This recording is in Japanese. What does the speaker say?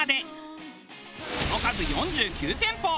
その数４９店舗。